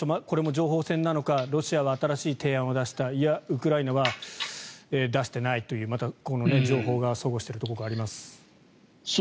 これも情報なのかロシアは新しい提案を出したいや、ウクライナは出していないというこの情報が齟齬しているところがあります。